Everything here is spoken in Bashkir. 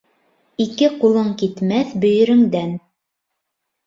Ике ҡулың китмәҫ бөйөрөңдән.